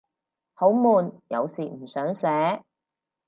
好悶，有時唔想寫